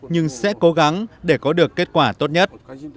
nhưng sẽ cố gắng để có được kết quả tốt nhất